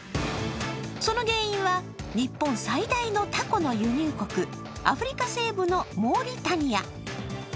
その原因は日本最大のたこの輸入国、アフリカ西部のモーリタニア。